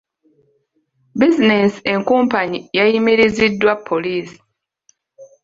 Bizinensi enkumpanyi yayimiriziddwa poliisi.